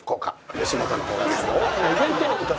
吉本の方がですね